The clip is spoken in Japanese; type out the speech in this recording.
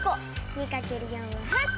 ２かける４は８こ！